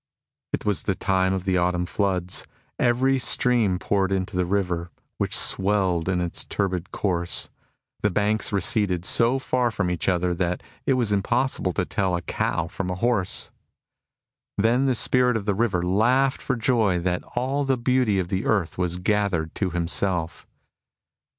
It was the time of autumn floods. Every stream poured into the river, which swelled in its ^ Th« Methuselah of China. THE OCaEAN OF KNOWLEDGE 39 turbid course. The banks receded so far from each other that it was impossible to tell a cow from a horse. Then the Spirit of the River laughed for joy that all the beauty of the earth was gathered to himself.